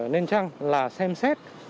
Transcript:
nên chăng là xem xét